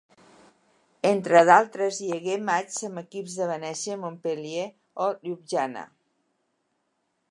Entre d'altres hi hagué matxs amb equips de Venècia, Montpeller, o Ljubljana.